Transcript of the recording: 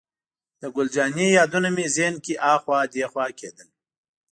د ګل جانې یادونه مې ذهن کې اخوا دېخوا کېدل.